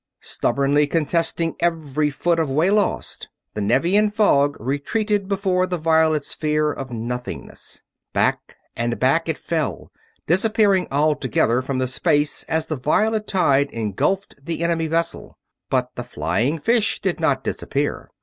Stubbornly contesting every foot of way lost, the Nevian fog retreated before the violet sphere of nothingness. Back and back it fell, disappearing altogether from all space as the violet tide engulfed the enemy vessel; but the flying fish did not disappear.